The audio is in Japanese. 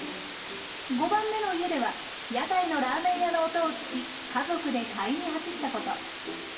５番目の家では屋台のラーメン屋の音を聞き家族で買いに走ったこと。